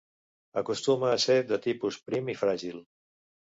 Acostuma a ser de tipus prim i fràgil.